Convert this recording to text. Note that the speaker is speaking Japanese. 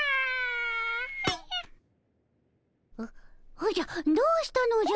おじゃどうしたのじゃ？